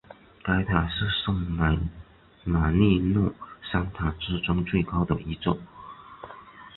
该塔是圣马利诺三塔之中最高的一座。